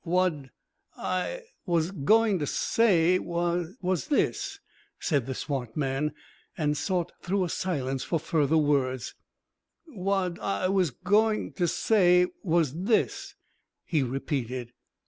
"Whad I was going to say was this," said the swart man, and sought through a silence for further words. "Whad I was going to say was this," he repeated.